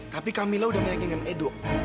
tapi kamila sudah meyakinkan edo